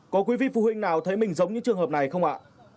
có quý vị phụ huynh nào thấy mình giống những trường hợp này không ạ